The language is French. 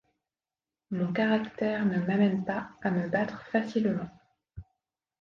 Mon caractère ne m'amène pas à me battre facilement.